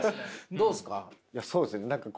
どうっすか？